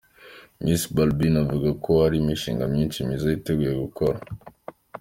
Miss Balbine avuga ko hari imishinga myinshi myiza yiteguye gukora.